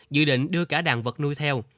dự định đưa cả đàn vật nuôi theo